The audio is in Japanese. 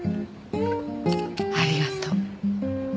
ありがとう。